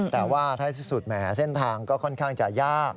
แต่ว่าท้ายที่สุดแหมเส้นทางก็ค่อนข้างจะยาก